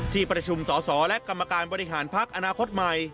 ที่ประชุมสอสอและกรรมการบริหารพักอนาคตใหม่